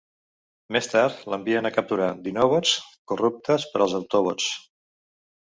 Més tard l'envien a capturar Dinobots corruptes per als Autobots.